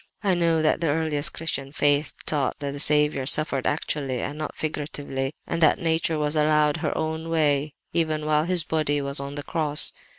"I know that the earliest Christian faith taught that the Saviour suffered actually and not figuratively, and that nature was allowed her own way even while His body was on the cross.